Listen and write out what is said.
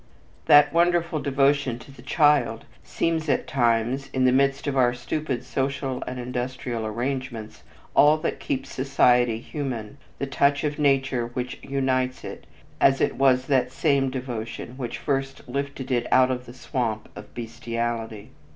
That wonderful devotion to the child seems at times, in the midst of our stupid social and industrial arrangements, all that keeps society human, the touch of nature which unites it, as it was that same devotion which first lifted it out of the swamp of bestiality.